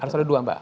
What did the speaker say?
harus ada dua mbak